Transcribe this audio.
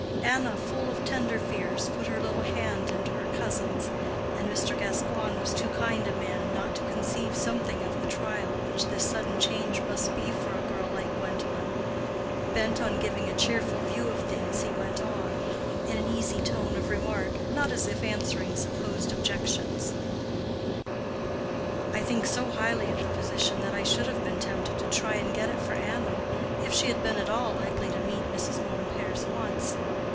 Anna, full of tender fears, put her little hand into her cousin's, and Mr. Gascoigne was too kind a man not to conceive something of the trial which this sudden change must be for a girl like Gwendolen. Bent on giving a cheerful view of things, he went on, in an easy tone of remark, not as if answering supposed objections, "I think so highly of the position, that I should have been tempted to try and get it for Anna, if she had been at all likely to meet Mrs. Mompert's wants.